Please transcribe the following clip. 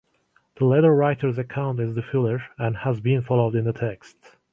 The latter writer's account is the fuller, and has been followed in the text.